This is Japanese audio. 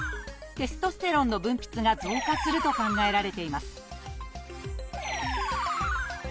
テストステロンの分泌が増加すると考えられています